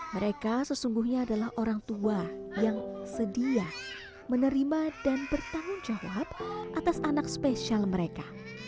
mereka sesungguhnya adalah orang tua yang sedia menerima dan bertanggung jawab atas anak spesial mereka